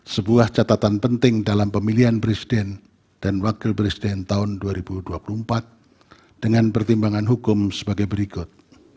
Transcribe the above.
sebuah catatan penting dalam pemilihan presiden dan wakil presiden tahun dua ribu dua puluh empat dengan pertimbangan hukum sebagai berikut